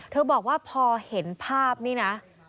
บอกว่าพอเห็นภาพนี่นะ